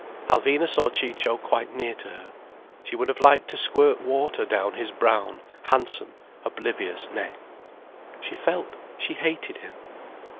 Alvina saw Ciccio quite near to her. She would have liked to squirt water down his brown, handsome, oblivious neck. She felt she hated him.